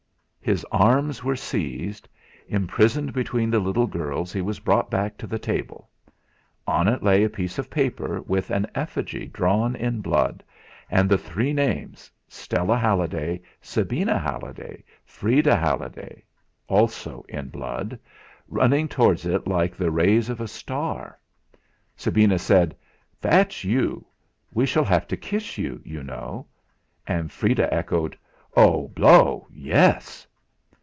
His arms were seized; imprisoned between the little girls he was brought back to the table. On it lay a piece of paper with an effigy drawn in blood, and the three names Stella Halliday, Sabina Halliday, Freda Halliday also in blood, running towards it like the rays of a star. Sabina said: "That's you. We shall have to kiss you, you know." And Freda echoed: "Oh! Blow Yes!"